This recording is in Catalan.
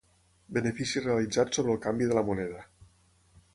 Benefici realitzat sobre el canvi de la moneda.